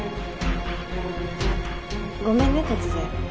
ごめんね突然。